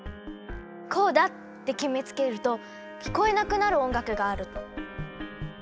こうだって決めつけると聞こえなくなる音楽がある。